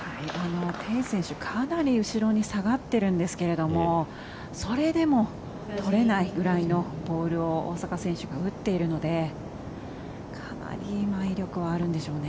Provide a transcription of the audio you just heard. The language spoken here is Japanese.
テイ選手、かなり後ろに下がってるんですけどもそれでも取れないぐらいのボールを大坂選手が打っているのでかなり威力はあるんでしょうね。